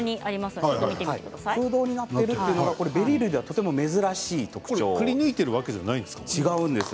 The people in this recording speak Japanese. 空洞になっているというのはベリー類では珍しいんです。